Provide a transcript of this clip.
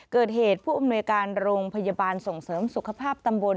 เกิดเหตุผู้อำนวยการโรงพยาบาลส่งเสริมสุขภาพตำบล